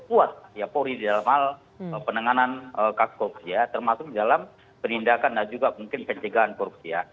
memperkuat ya polri di dalam hal penenganan kak korupsi ya termasuk di dalam perindahkan dan juga mungkin penjagaan korupsi ya